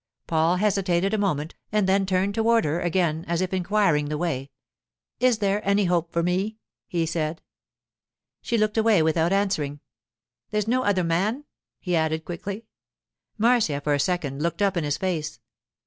Paul hesitated a moment, and then turned toward her again as if inquiring the way. 'Is there any hope for me?' he said. She looked away without answering. 'There's no other man?' he added quickly. Marcia for a second looked up in his face.